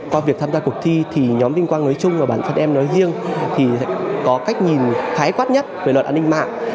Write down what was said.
qua việc tham gia cuộc thi thì nhóm vinh quang nói chung và bản thân em nói riêng thì có cách nhìn khái quát nhất về luật an ninh mạng